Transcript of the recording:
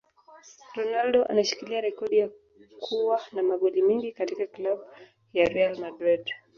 Ronaldo anashikilia rekodi ya kua na magoli mengi katika club ya Real Madrid